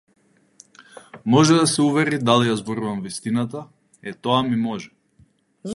Може да се увери дали ја зборувам вистината, е тоа ми може.